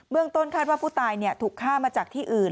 ต้นคาดว่าผู้ตายถูกฆ่ามาจากที่อื่น